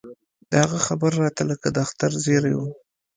د هغه خبره راته لکه د اختر زېرى و.